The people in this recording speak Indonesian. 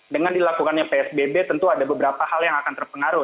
dengan dilakukannya psbb tentu ada beberapa hal yang akan terpengaruh